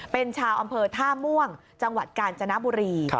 เป็นชาวอำเภอท่าม่วงจังหวัดกาญจนบุรี